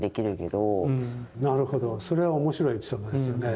なるほどそれは面白いエピソードですよね。